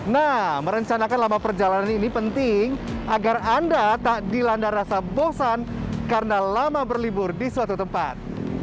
nah merencanakan lama perjalanan ini penting agar anda tak dilanda rasa bosan karena lama berlibur di suatu tempat